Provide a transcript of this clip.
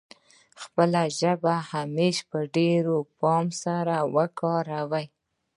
خپله ژبه همېش په ډېر پام سره وکاروي.